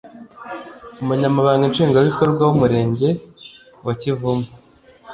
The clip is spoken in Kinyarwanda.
Umunyamabanga Nshingwabikorwa w’Umurenge wa Kivumu